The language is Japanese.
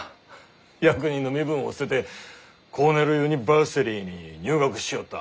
役人の身分を捨ててコーネルユニバーシティーに入学しおった。